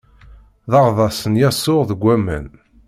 D aɣḍaṣ n Yasuɛ deg waman.